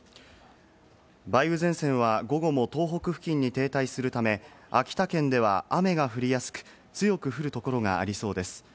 梅雨前線は午後も東北付近に停滞するため、秋田県では雨が降りやすく、強く降るところがありそうです。